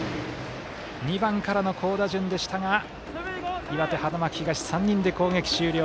２番からの好打順でしたが岩手、花巻東、３人で攻撃終了。